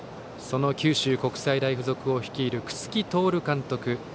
九州国際大付属を率いる楠城徹監督。